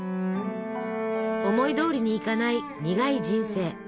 思いどおりにいかない苦い人生。